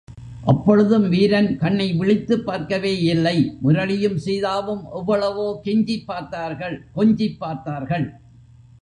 அப்பொழுதும் வீரன் கண்னை விழித்துப் பார்க்கவே இல்லை முரளியும் சீதாவும் எவ்வளவோ கெஞ்சிப் பார்த்தார்கள் கொஞ்சிப் பார்த்தார்கள்.